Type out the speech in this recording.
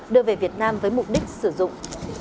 đưa về việt nam với mục đích sử dụng